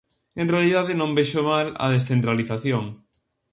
En realidade non vexo mal a descentralización.